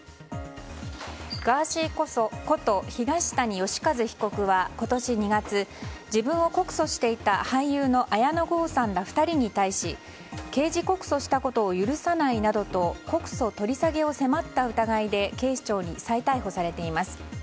ガーシーこと東谷義和被告は今年２月、自分を告訴していた俳優の綾野剛さんら２人に対し刑事告訴したことを許さないなどと、告訴取り下げを迫った疑いで警視庁に再逮捕されています。